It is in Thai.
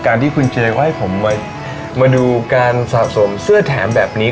ที่คุณเจก็ให้ผมมาดูการสะสมเสื้อแถมแบบนี้